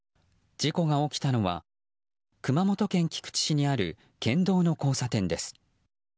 事故が起きたのは熊本県菊池市にある県道の交差点です。